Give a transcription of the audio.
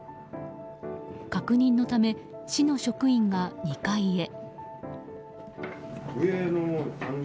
確認のため市の職員が２階へ。